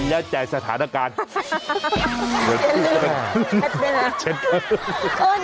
แล้วแต่สถานการณ์เหมือนกัน